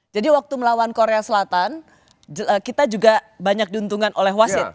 jadi waktu melawan korea selatan kita juga banyak diuntungkan oleh wasid